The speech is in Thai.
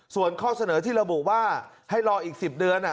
ส่วนข้อเสนอที่ระบุว่าให้รออีก๑๐เดือน